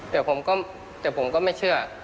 เดี๋ยวผมก็ไม่เชื่อ